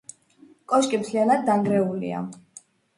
კოშკი მთლიანად დანგრეულია.